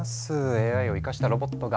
ＡＩを生かしたロボットが。